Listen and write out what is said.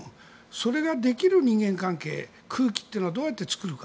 それができる人間関係、空気はどうやって作るか。